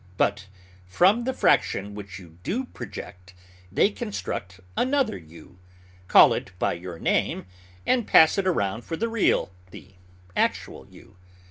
But, from the fraction which you do project, they construct another you, call it by your name, and pass it around for the real, the actual you.